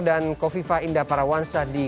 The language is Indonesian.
dan kofifa indah parawansa di